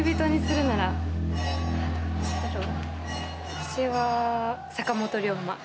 私は坂本龍馬。